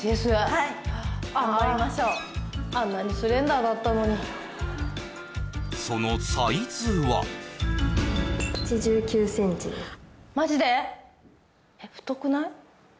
はい頑張りましょうあんなにスレンダーだったのにそのサイズはマジで？